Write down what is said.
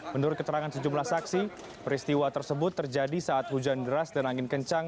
menurut keterangan sejumlah saksi peristiwa tersebut terjadi saat hujan deras dan angin kencang